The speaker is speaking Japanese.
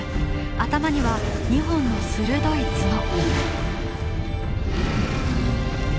頭には２本の鋭いツノ。